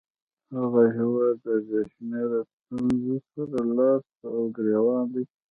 هغه هیواد له بې شمېره ستونزو سره لاس او ګرېوان دی.